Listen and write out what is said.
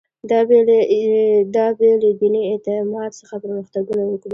دا بې له دیني اعتقاد څخه پرمختګونه وکړي.